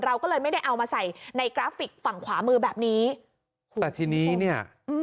เราก็เลยไม่ได้เอามาใส่ในกราฟิกฝั่งขวามือแบบนี้แต่ทีนี้เนี่ยอืม